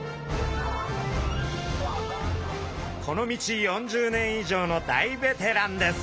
この道４０年以上の大ベテランです。